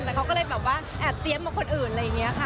แต่เขาก็เลยแบบว่าแอบเตรียมมาคนอื่นอะไรอย่างนี้ค่ะ